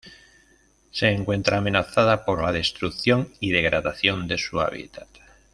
Se encuentra amenazada por la destrucción y degradación de su hábitat.